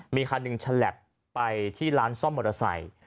มีคันแหลกไปที่ร้านซ่อมมอเตอร์ไซก์